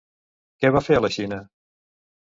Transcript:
Què va fer a la Xina?